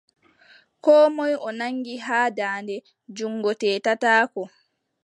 Koo moy o nanngi haa daande junngo, teetataako.